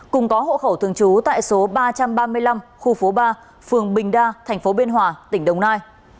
cùng có hộ khẩu thường trú tại số ba trăm ba mươi năm khu phố ba phường bình đa thành phố biên hòa tỉnh đồng nai